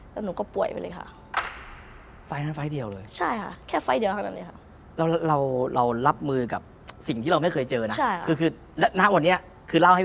แล้วหนูก็ป่วยไปเลยค่ะ